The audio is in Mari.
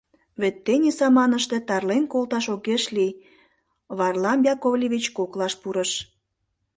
— Вет тений саманыште тарлен колташ огеш лий, — Варлам Яковлевич коклаш пурыш.